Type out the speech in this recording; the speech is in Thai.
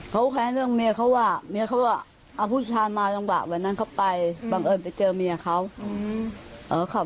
เขาแค้นเรื่องอะไรหรือครับเขาแค้นเรื่องเมียเขาว่า